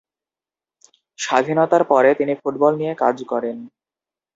স্বাধীনতার পরে, তিনি ফুটবল নিয়ে কাজ করেন।